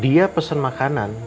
dia pesen makanan